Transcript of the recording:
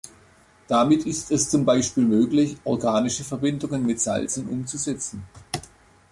Damit ist es zum Beispiel möglich, organische Verbindungen mit Salzen umzusetzen.